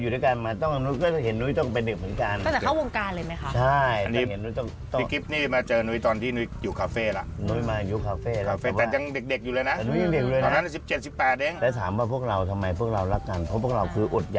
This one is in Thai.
แต่อย่างนุ๊ยเนี่ยจะอยู่ด้วยกันมาต้องกับนุ๊ย